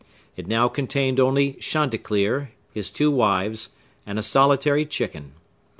It now contained only Chanticleer, his two wives, and a solitary chicken.